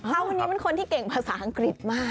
อ้าวคนนี้มันเก่งภาษาอังกฤษมาก